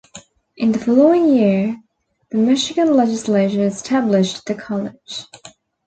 In the following year the Michigan Legislature established the college.